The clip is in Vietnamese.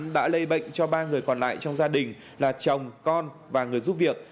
đã lây bệnh cho ba người còn lại trong gia đình là chồng con và người giúp việc